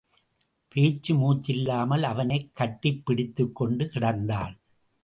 பேச்சு மூச்சில்லாமல் அவனைக் கட்டிப் பிடித்துக்கொண்டு கிடந்தாள்.